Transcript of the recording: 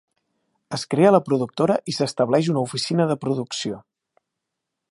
Es crea la productora i s'estableix una oficina de producció.